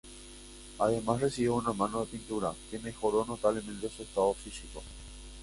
Además recibió una mano de pintura que mejoró notablemente su estado físico.